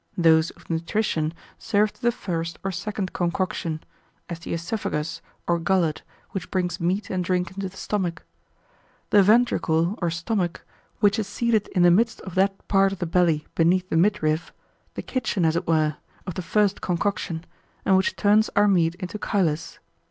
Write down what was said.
Those of nutrition serve to the first or second concoction; as the oesophagus or gullet, which brings meat and drink into the stomach. The ventricle or stomach, which is seated in the midst of that part of the belly beneath the midriff, the kitchen, as it were, of the first concoction, and which turns our meat into chylus.